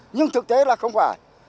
nhưng thực tế là không phải